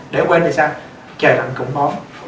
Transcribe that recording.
để quên là sao trời lạnh cũng không